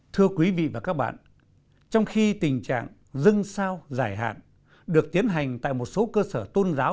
thưa quý vị và các bạn trong khi tình trạng dưng sao giải hạn được tiến hành tại một số cơ sở tôn giáo